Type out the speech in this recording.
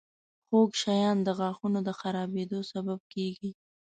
• خوږ شیان د غاښونو د خرابېدو سبب کیږي.